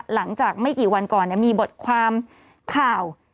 หลังจากไม่กี่วันก่อนมีบทความข่าว